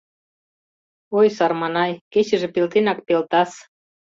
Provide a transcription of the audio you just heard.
— Ой, сарманай, кечыже пелтенак пелта-с.